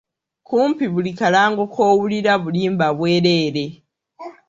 Kumpi buli kalango k'owulira bulimba bwereere.